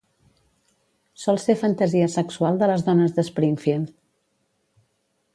Sol ser fantasia sexual de les dones de Springfield.